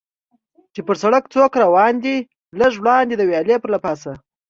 چې پر سړک څه روان دي، لږ وړاندې د ویالې له پاسه.